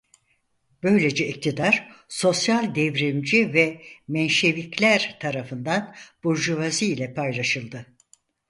Böylece iktidar Sosyal Devrimci ve Menşevikler tarafından burjuvazi ile paylaşıldı.